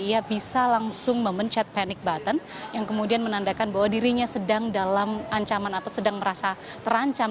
ia bisa langsung memencet panic button yang kemudian menandakan bahwa dirinya sedang dalam ancaman atau sedang merasa terancam